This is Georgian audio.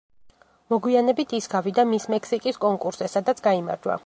მოგვიანებით ის გავიდა „მის მექსიკის“ კონკურსზე, სადაც გაიმარჯვა.